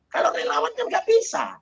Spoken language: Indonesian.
kalau relawan kan nggak bisa